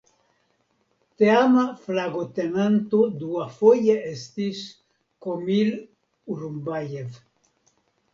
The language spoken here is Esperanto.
Teama flagotenanto duafoje estis "Komil Urunbajev".